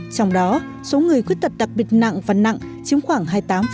trong đó số người khuyết tật đặc biệt nặng và nặng chiếm khoảng hai mươi tám